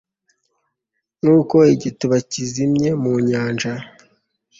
Nkuko igituba kizimye mu nyanja